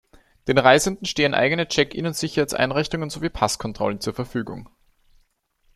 Den Reisenden stehen eigene Check-In- und Sicherheitseinrichtungen, sowie Passkontrollen zur Verfügung.